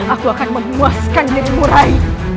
aku akan menguaskan dirimu rai